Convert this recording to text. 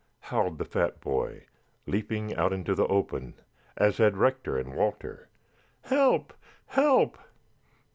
howled the fat boy, leaping out into the open, as had Rector and Walter. "Help! Help!"